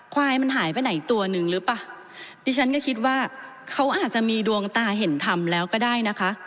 ควายมันหายไปไหนตัวหนึ่งหรือเปล่าดิฉันก็คิดว่าเขาอาจจะมีดวงตาเห็นธรรมแล้วก็ได้นะคะ